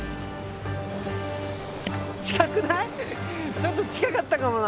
ちょっと近かったかもな。